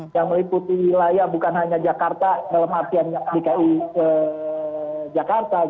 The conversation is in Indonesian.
yang meliputi wilayah bukan hanya jakarta dalam artian dki jakarta